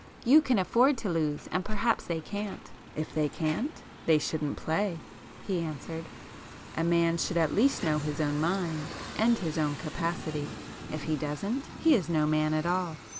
You can afford to lose,—and perhaps they can't." "If they can't, they shouldn't play,"—he answered—"A man should at least know his own mind and his own capacity; if he doesn't, he is no man at all.